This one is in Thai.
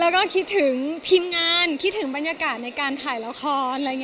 แล้วก็คิดถึงทีมงานคิดถึงบรรยากาศในการถ่ายละคร